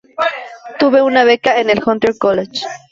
Tuve una beca en el Hunter College.